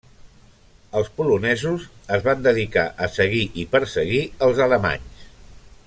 Els polonesos es van dedicar a seguir i perseguir els alemanys.